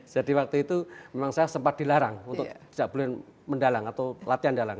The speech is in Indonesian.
jadi waktu itu memang saya sempat dilarang untuk tidak boleh mendalang atau latihan dalang